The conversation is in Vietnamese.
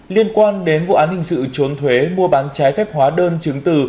liên quan đến vụ án hình sự trốn thuế mua bán trái phép hóa đơn chứng từ